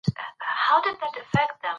ډېر چای خوب ګډوډوي.